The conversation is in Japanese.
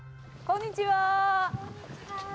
こんにちは。